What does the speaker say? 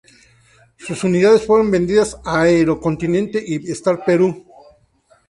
Sus unidades fueron vendidas a Aero Continente y Star Perú.